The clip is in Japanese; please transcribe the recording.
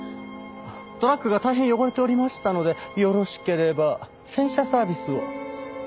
トラックが大変汚れておりましたのでよろしければ洗車サービスを。